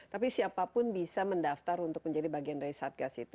tapi siapapun bisa mendaftar untuk menjadi bagian dari satgas itu